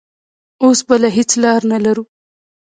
اوس بله هېڅ لار نه لرو.